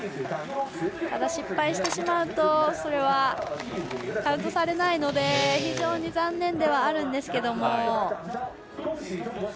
ただ失敗してしまうとそれはカウントされないので非常に残念ではあるんですけど。